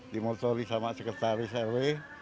di motori sama sekretaris rw